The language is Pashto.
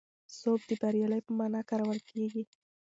سوب د بریالیتوب په مانا کارول کېږي.